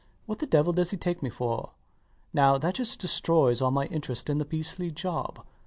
What the devil does he take me for? Now that just destroys all my interest in the beastly job.